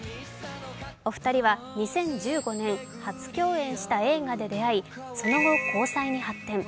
お二人は２０１５年初共演した映画で出会い、その後、交際に発展。